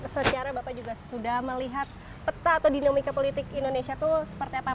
secara bapak juga sudah melihat peta atau dinamika politik indonesia itu seperti apa